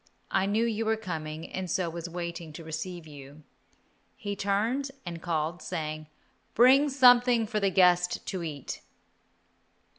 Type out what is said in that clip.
I knew you were coming, and so was waiting to receive you." He turned and called, saying, "Bring something for the guest to eat."